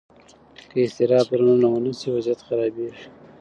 که اضطراب درملنه ونه شي، وضعیت خرابېږي.